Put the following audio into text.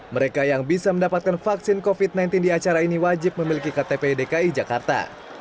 mereka yang bisa mendapatkan vaksin covid sembilan belas di acara ini wajib memiliki ktp dki jakarta